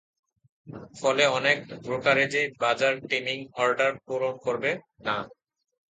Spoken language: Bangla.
ফলে অনেক ব্রোকারেজই বাজার-টিমিং অর্ডার পূরণ করবে না।